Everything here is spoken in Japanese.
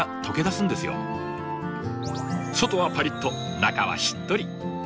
外はパリッと中はしっとり。